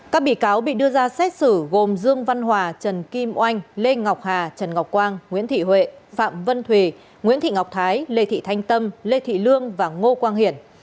các bị cáo bị đưa ra xét xử gồm dương văn hòa trần kim oanh lê ngọc hà trần ngọc quang nguyễn thị huệ phạm vân thùy nguyễn thị ngọc thái lê thị thanh tâm lê thị lương và ngô quang hiển